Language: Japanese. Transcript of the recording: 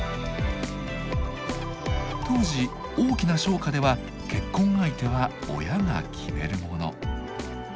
当時大きな商家では結婚相手は親が決めるもの。